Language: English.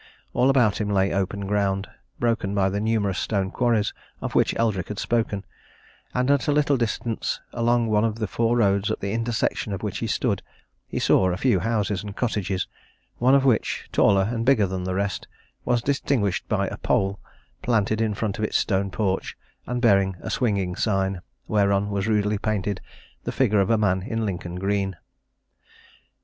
All about him lay open ground, broken by the numerous stone quarries of which Eldrick had spoken, and at a little distance along one of the four roads at the intersection of which he stood, he saw a few houses and cottages, one of which, taller and bigger than the rest, was distinguished by a pole, planted in front of its stone porch and bearing a swinging sign whereon was rudely painted the figure of a man in Lincoln green.